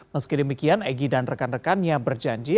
meski demikian egy dan rekan rekannya berjanji